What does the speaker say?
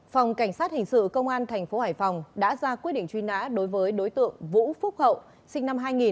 phòng cảnh sát hình sự công an tp hải phòng đã ra quyết định truy nã đối với đối tượng vũ phúc hậu sinh năm hai nghìn